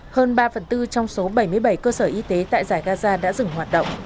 hơn ba phần tư trong số bảy mươi bảy cơ sở y tế tại giải gaza đã dừng hoạt động